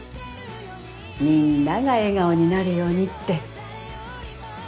みんなが笑顔になるようにって。